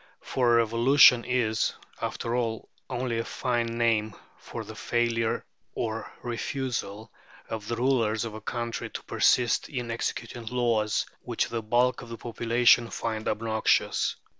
For "revolution" is, after all, only a fine name for the failure or refusal of the rulers of a country to persist in executing laws which the bulk of the population find obnoxious.